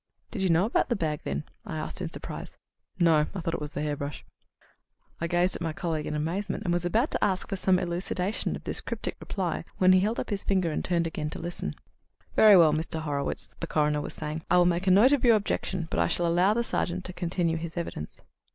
"Did you know about the bag, then?" I asked in surprise. "No. I thought it was the hair brush." I gazed at my colleague in amazement, and was about to ask for some elucidation of this cryptic reply, when he held up his finger and turned again to listen. "Very well, Mr. Horwitz," the coroner was saying, "I will make a note of your objection, but I shall allow the sergeant to continue his evidence."